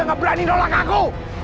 nggak berani nolak aku